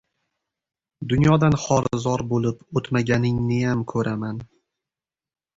Dunyodan xor-zor bo‘lib o‘tmaganingniyam ko‘raman".